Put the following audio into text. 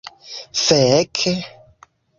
Fek!